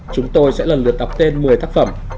chúng tôi sẽ lần lượt đọc tên một mươi tác phẩm